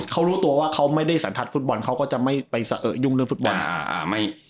เขารู้ตัวว่าเขาไม่ได้สันทัศน์ฟุตบอลเขาก็จะไม่ไปสะเอะยุ่งเรื่องฟุตบอล